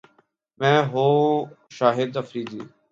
میں ہوں شاہد افریدی